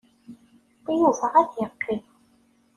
Yuba ad yeqqim.